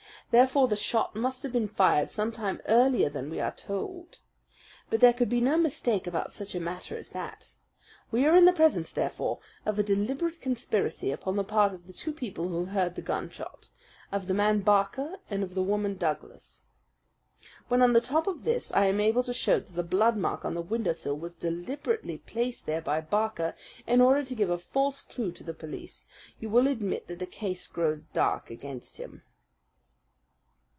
Therefore the shot must have been fired some time earlier than we are told. But there could be no mistake about such a matter as that. We are in the presence, therefore, of a deliberate conspiracy upon the part of the two people who heard the gunshot of the man Barker and of the woman Douglas. When on the top of this I am able to show that the blood mark on the windowsill was deliberately placed there by Barker, in order to give a false clue to the police, you will admit that the case grows dark against him.